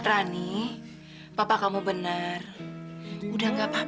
rani papa kamu benar udah gak apa apa